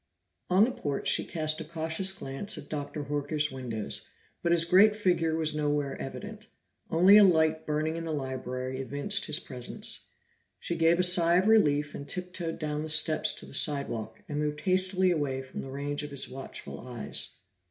On the porch she cast a cautious glance at Dr. Horker's windows, but his great figure was nowhere evident. Only a light burning in the library evinced his presence. She gave a sigh of relief, and tiptoed down the steps to the sidewalk, and moved hastily away from the range of his watchful eyes.